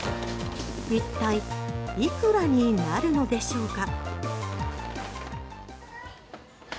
一体いくらになるのでしょうか？